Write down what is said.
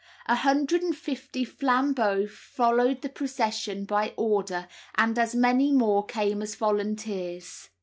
A hundred and fifty flambeaux followed the procession by order, and as many more came as volunteers.